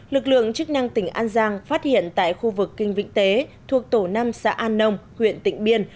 lực lượng chức năng tỉnh an giang phát hiện tại khu vực kinh vĩnh tế thuộc tổ năm xã an nông huyện tịnh biên